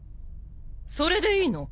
それでいいの？